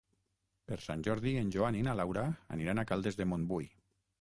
Per Sant Jordi en Joan i na Laura aniran a Caldes de Montbui.